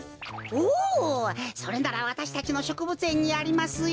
おおそれならわたしたちのしょくぶつえんにありますよ。